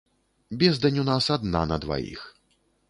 Бездань у нас адна на дваіх.